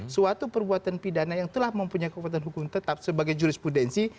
suatu perbuatan pidana yang telah mempunyai kekuatan hukum tetap sebagai jurisprudensi